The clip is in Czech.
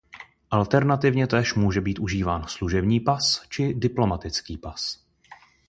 Alternativně též může být užíván služební pas či diplomatický pas.